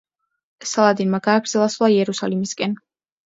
სალადინმა გააგრძელა სვლა იერუსალიმისკენ.